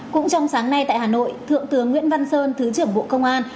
cũng trong sáng nay tại hà nội thượng tướng nguyễn văn sơn thứ trưởng bộ công an